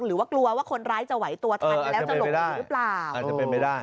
หรือว่ากลัวว่าคนร้ายจะไหวตัวถันแล้วจะลงประโยชน์หรือเปล่า